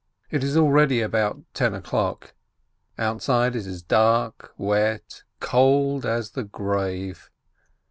It is already about ten o'clock. Outside it is dark, wet, cold as the grave.